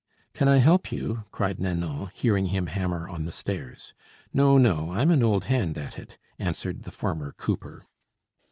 "Can I help you?" cried Nanon, hearing him hammer on the stairs. "No, no! I'm an old hand at it," answered the former cooper.